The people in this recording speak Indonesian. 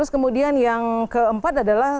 kemudian yang keempat adalah